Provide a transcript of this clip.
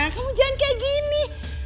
kamu jangan kayak gini